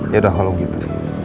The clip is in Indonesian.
yaudah kalau gitu